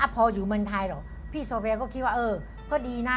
พออยู่เมืองไทยหรอกพี่ซอเวย์ก็คิดว่าเออก็ดีนะ